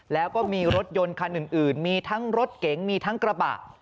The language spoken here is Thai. แล้วก็มีรถยนต์คันอื่นมีทั้งรถเก๋งมีทั้งกระบะ